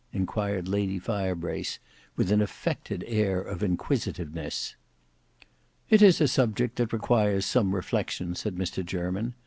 inquired Lady Firebrace with an affected air of inquisitiveness. "It is a subject that requires some reflection," said Mr Jermyn.